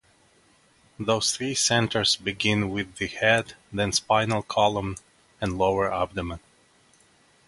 Those three centers begin with the head, then spinal column, and lower abdomen.